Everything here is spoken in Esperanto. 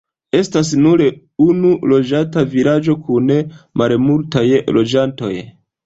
Estas nur unu loĝata vilaĝo kun malmultaj loĝantoj.